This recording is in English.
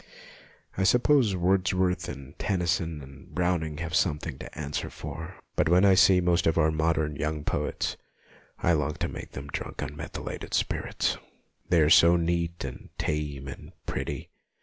I sup pose Wordsworth and Tennyson and Brown ing have something to answer for, but when I see most of our modern young poets I long to make them drunk on methylated spirits. They are so neat and tame and pretty.